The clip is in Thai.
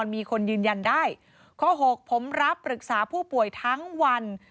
มีคนยืนยันได้ข้อหกผมรับปรึกษาผู้ป่วยทั้งวัน